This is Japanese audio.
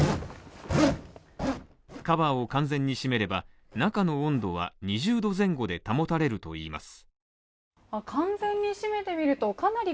カバーを完全にしめれば、中の温度は２０度前後で保たれるといいます。